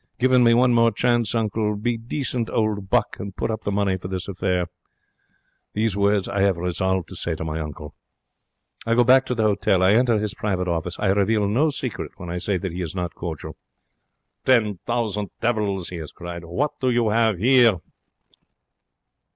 Give me one more chance, uncle. Be decent old buck, and put up the money for this affair.' These words I have resolved to say to my uncle. I go back to the hotel. I enter his private office. I reveal no secret when I say that he is not cordial. 'Ten thousand devils!' he has cried. 'What do you here?'